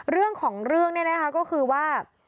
เรื่องของเรื่องเนี่ยนะคะก็คือว่า